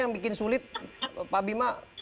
yang bikin sulit pak bima